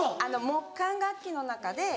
木管楽器の中で一番。